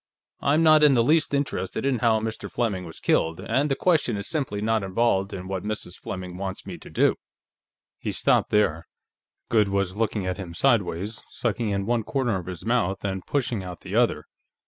"I'm not in the least interested in how Mr. Fleming was killed, and the question is simply not involved in what Mrs. Fleming wants me to do." He stopped there. Goode was looking at him sideways, sucking in one corner of his mouth and pushing out the other.